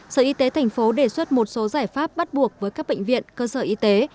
sở y tế thành phố đề xuất một số giải pháp bắt buộc với các bệnh viện cơ sở y tế